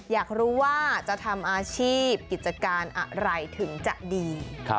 อยากรู้ว่าจะทำอาชีพกิจการอะไรถึงจะดี